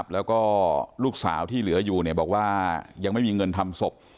แล้วก็ลูกสาวที่เหลืออยู่บอกว่ายังไม่มีเงินทำศพ